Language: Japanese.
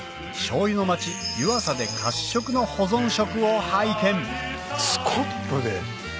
醤油の町・湯浅で褐色の保存食を拝見スコップで！